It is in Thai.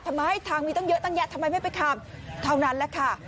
ทำไมทางมีตั้งเยอะตั้งแยะทำไมไม่ไปขับเท่านั้นแหละค่ะ